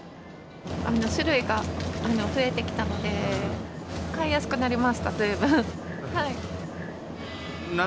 種類が増えてきたので、買いやすくなりました、ずいぶん。